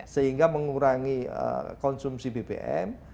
sehingga mengurangi konsumsi bbm